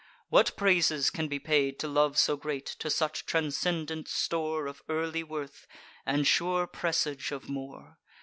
what praises can be paid To love so great, to such transcendent store Of early worth, and sure presage of more?